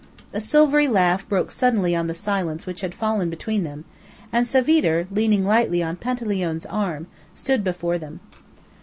A silvery laugh broke suddenly on the silence which had fallen between them, and Savitre, leaning lightly on Panteleone's arm, stood before them.